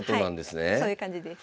そういう感じです。